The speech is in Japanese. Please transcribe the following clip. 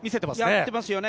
やってますよね